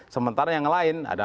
sementara yang lain